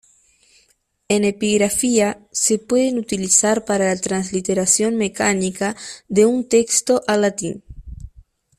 En epigrafía, se pueden utilizar para la transliteración mecánica de un texto al latín.